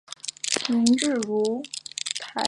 林志儒台湾新竹县客家人。